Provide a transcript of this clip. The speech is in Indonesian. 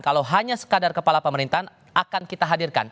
kalau hanya sekadar kepala pemerintahan akan kita hadirkan